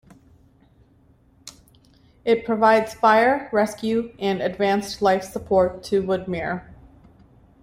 It provides Fire, Rescue, and Advanced Life Support to Woodmere.